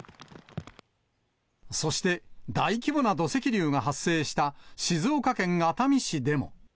そして、大規模な土石流が発生した静岡県熱海市でも。